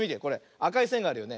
あかいせんがあるよね。